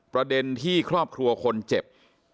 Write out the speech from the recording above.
ประเด็นที่ครอบครัวคนเจ็บ